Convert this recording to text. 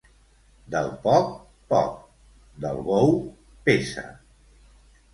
Del poc, poc; del bou, peça.